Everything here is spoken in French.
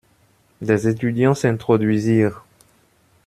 Des étudiants s'introduisirent.